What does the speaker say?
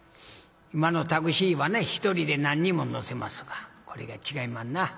今のタクシーはね１人で何人も乗せますがこれが違いまんな。